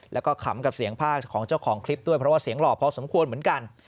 แล้วก็ขำกับเสียงภาคของเจ้าของคลิปด้วยเพราะว่าเสียงหล่อพอสมควรเหมือนกัน